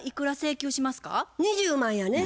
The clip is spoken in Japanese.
２０万やね。